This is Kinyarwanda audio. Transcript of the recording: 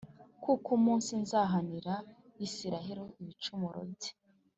“Kuko umunsi nzahanira Isirayeli ibicumuro bye